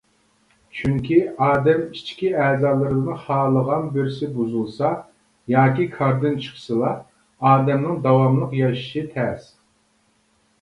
چۈنكى ئادەم ئىچكى ئەزالىرىدىن خالىغان بىرسى بۇزۇلسا ياكى كاردىن چىقسىلا، ئادەمنىڭ داۋاملىق ياشىشى تەس.